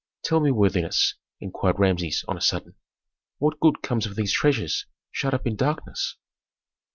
"Tell me, worthiness," inquired Rameses on a sudden, "what good comes of these treasures shut up in darkness?"